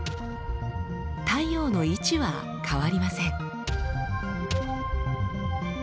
太陽の位置は変わりません。